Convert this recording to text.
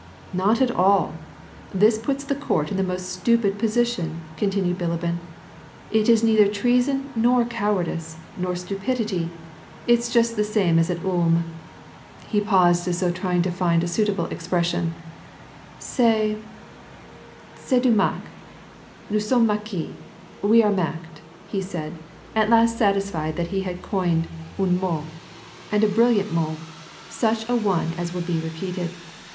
"Not at all. This puts the Court in the most stupid posi tion," continued Bilibin, " it is neither treason nor cowardice, nor stupidity, it's just the same as at Ulm." He paused, as though trying to find a suitable expression :" C'est — t^est du Maek. Nous sommes Mackes — we are Macked !" he said, at last satisfied that he had coined un mot, and a brilliant maty such an one as would be repeated.